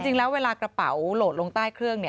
จริงแล้วเวลากระเป๋าโหลดลงใต้เครื่อง